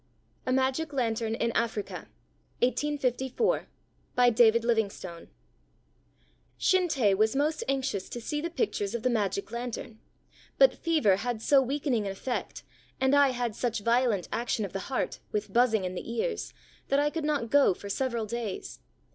A MAGIC LANTERN IN AFRICA BY DAVID LIVINGSTONE Shinte was most anxious to see the pictures of the magic lantern; but fever had so weakening an effect, and I had such violent action of the heart, with buzzing in the ears, that I could not go for several days.